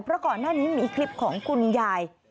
เพราะก่อนหน้านี้มีคลิปของคุณยาย